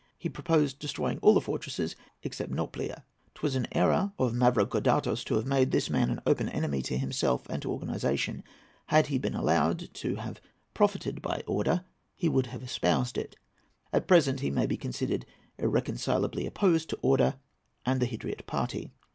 He proposed destroying all the fortresses except Nauplia. 'Twas an error of Mavrocordatos to have made this man an open enemy to himself and to organization. Had he been allowed to have profited by order, he would have espoused it. At present he may be considered irreconcilably opposed to order and the Hydriot party.